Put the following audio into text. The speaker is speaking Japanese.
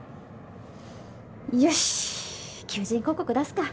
よしっ求人広告出すか。